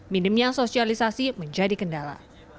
minimnya sosialisasi menjadi kendala